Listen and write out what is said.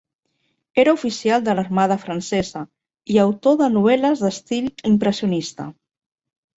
Era oficial de l'armada francesa i autor de novel·les d'estil impressionista.